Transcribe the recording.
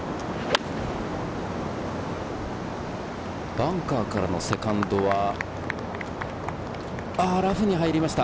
バンカーからのセカンドは、ラフに入りました。